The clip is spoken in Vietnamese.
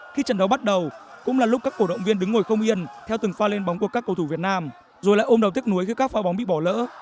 khi trận đấu bắt đầu cũng là lúc các cổ động viên đứng ngồi không yên theo từng pha lên bóng của các cầu thủ việt nam rồi lại ôm đầu tiếc núi khi các pha bóng bị bỏ lỡ